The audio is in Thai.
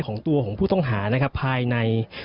ของตัวของผู้ต้องหาภายใน